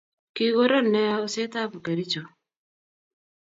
kikoron neaa oset ab kericho